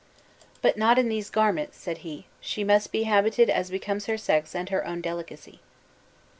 "But not in these garments," said he; "she must be habited as becomes her sex and her own delicacy."